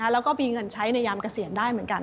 แล้วก็มีเงินใช้ในยามเกษียณได้เหมือนกัน